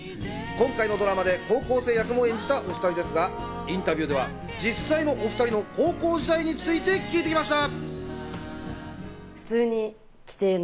今回のドラマで高校生役も演じたお２人ですが、インタビューでは実際のお２人の高校時代について聞いてきました。